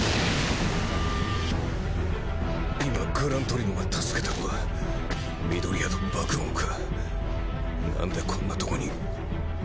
今グラントリノが助けたのは緑谷と爆豪かなんでこんなとこに。